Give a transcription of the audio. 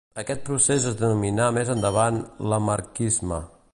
Aquest procés es denominà més endavant lamarckisme.